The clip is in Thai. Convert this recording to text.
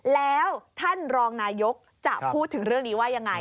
แล้วท่านรองนายกจะพูดถึงเรื่องนี้ว่ายังไง